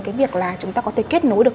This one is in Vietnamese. cái việc là chúng ta có thể kết nối được